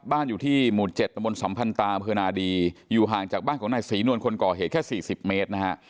บ้านอยู่ที่หมู่๗ตมสัมพันธาอำเภอนาดีอยู่ห่างจากบ้านของนายศรีนวลคนก่อเหตุแค่๔๐เมตรนะฮะ